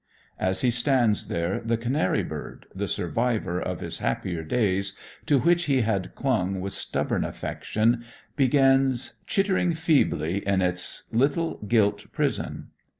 As he stands there the canary bird, the survivor of his happier days, to which he had clung with stubborn affection, begins "chittering feebly in its little gilt prison."